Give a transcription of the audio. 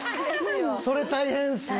それ大変っすね。